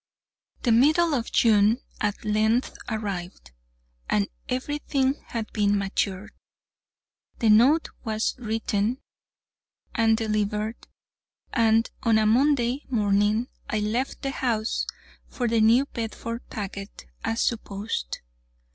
The middle of June at length arrived, and every thing had been matured. The note was written and delivered, and on a Monday morning I left the house for the New Bedford packet, as supposed.